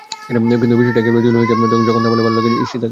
কিন্তু বিষয়টি একেবারেই জটিল হয়ে যায় যখন তমালের ভালো লেগে যায় ঈষিতাকে।